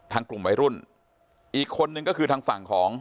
กลุ่มวัยรุ่นอีกคนนึงก็คือทางฝั่งของ